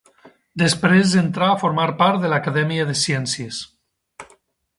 Després entrà a formar part de l'Acadèmia de ciències.